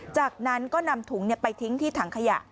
จากนั้นก็นำถุงไปทิ้งที่ถังขยะ